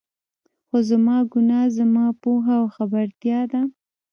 خو زما ګناه، زما پوهه او خبرتيا ده.